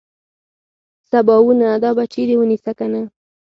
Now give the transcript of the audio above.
سباوونه دا بچي دې ونيسه کنه.